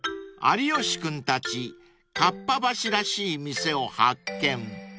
［有吉君たちかっぱ橋らしい店を発見］